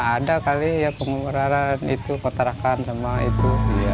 ada kali ya pengeluaran itu kotakan sama itu